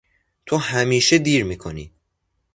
تو همیشه دیر میکنی!